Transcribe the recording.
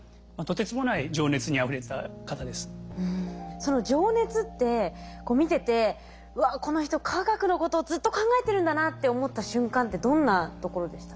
その情熱ってこう見てて「うわっこの人化学のことをずっと考えてるんだな」って思った瞬間ってどんなところでした？